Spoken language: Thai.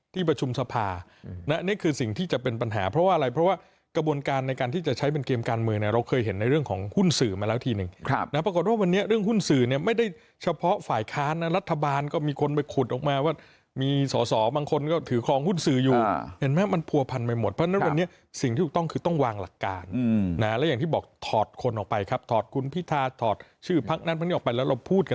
ที่ประชุมสภานะนี่คือสิ่งที่จะเป็นปัญหาเพราะว่าอะไรเพราะว่ากระบวนการในการที่จะใช้เป็นเกมการมือนะเราเคยเห็นในเรื่องของหุ้นสื่อมาแล้วทีนึงครับแล้วปรากฏว่าวันเนี้ยเรื่องหุ้นสื่อเนี้ยไม่ได้เฉพาะฝ่ายค้านนะรัฐบาลก็มีคนไปขุดออกมาว่ามีส่อส่อบางคนก็ถือครองหุ้นสื่ออยู่อ่าเห็นไหมมันพัวพันไปหมด